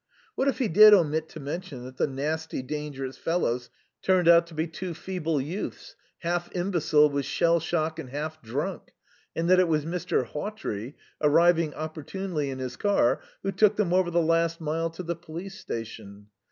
What if he did omit to mention that the nasty, dangerous fellows turned out to be two feeble youths, half imbecile with shell shock and half drunk, and that it was Mr. Hawtrey, arriving opportunely in his car, who took them over the last mile to the police station?